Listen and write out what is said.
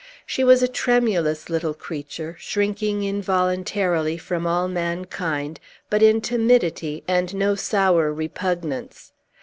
She was a tremulous little creature, shrinking involuntarily from all mankind, but in timidity, and no sour repugnance.